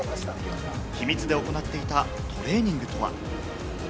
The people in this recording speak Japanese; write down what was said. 秘密で行っていたトレーニングとは？